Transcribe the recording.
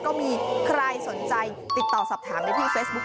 ก็มีใครสนใจติดต่อสอบถามได้ที่เฟซบุ๊